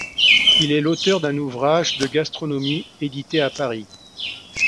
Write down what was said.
Il est l'auteur d'un ouvrage de gastronomie, édité à Paris.